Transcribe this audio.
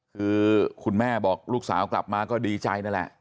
คือคุณแม่บอกลูกสาวกลับมาก็ดีใจนั่นแหละ